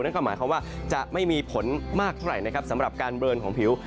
นั่นก็หมายความว่าจะไม่มีผลมากเท่าไหร่นะครับสำหรับการเบลอนของผิว